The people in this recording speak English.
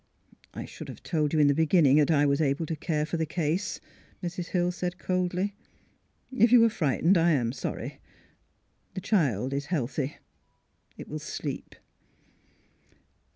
'' I should have told you in the beginning that I was able to care for the case," Mrs. Hill said, coldly. ^' If you were frightened, I am sorry. The child is healthy. It will sleep."